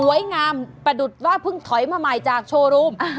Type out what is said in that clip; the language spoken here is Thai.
งามประดุษว่าเพิ่งถอยมาใหม่จากโชว์รูม